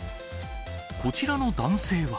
こちらの男性は。